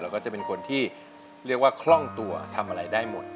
แล้วก็จะเป็นคนที่เรียกว่าคล่องตัวทำอะไรได้หมด